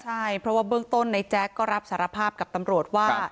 ใช่เพราะว่าเบื้องต้นในแจ๊กก็รับสารภาพกับตำรวจว่า